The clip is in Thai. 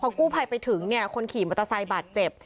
กู้ภัยไปถึงเนี่ยคนขี่มอเตอร์ไซค์บาดเจ็บ